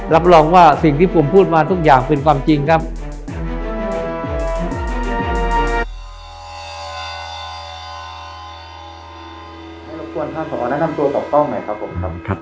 รับรองว่าสิ่งที่ผมพูดมาทุกอย่างเป็นความจริงครับ